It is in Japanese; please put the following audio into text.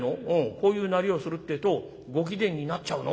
こういうなりをするってえとご貴殿になっちゃうの？